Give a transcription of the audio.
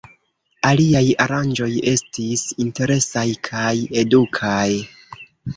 Aliaj aranĝoj estis interesaj kaj edukaj.